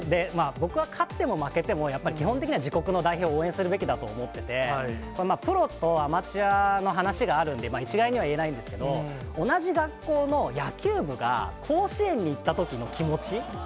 僕は勝っても負けても、やっぱり、基本的には自国の代表を応援するべきだと思ってて、プロとアマチュアの話があるんで、一概には言えないんですけど、同じ学校の野球部が、甲子園に行ったときの気持ち。